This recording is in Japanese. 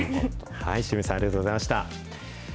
塩見さん、ありがとうございました。